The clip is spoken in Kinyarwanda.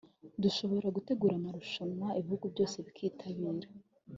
dushobora gutegura amarushanwa ibihugu byose bikitabira